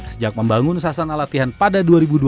sejak membangun sasana latihan pada dua ribu dua belas